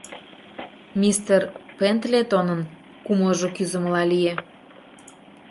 Мистер Пендлетонын кумылжо кӱзымыла лие.